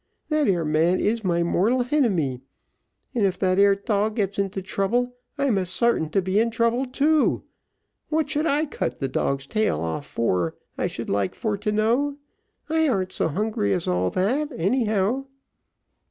That ere man is my mortal henemy; and if that ere dog gets into trouble I'm a sartain to be in trouble too. What should I cut the dog's tail off for, I should like for to know? I arn't so hungry as all that, any how."